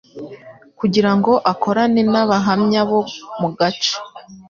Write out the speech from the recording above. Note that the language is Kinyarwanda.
kugira ngo akorane n'Abahamya bo mu gace